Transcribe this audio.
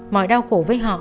mọi đau khổ với họ